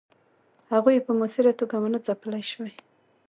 هغوی یې په موثره توګه ونه ځپلای سوای.